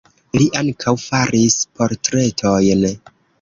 Li ankaŭ faris portretojn.